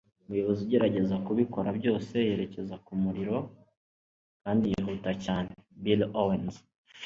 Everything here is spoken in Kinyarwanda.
umuyobozi ugerageza kubikora byose yerekeza ku muriro, kandi yihuta cyane. - bill owens